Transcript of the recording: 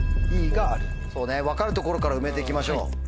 そうね分かる所から埋めて行きましょう。